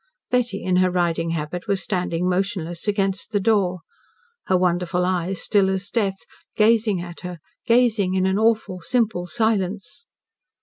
Betty, in her riding habit, was standing motionless against the door, her wonderful eyes still as death, gazing at her, gazing in an awful, simple silence.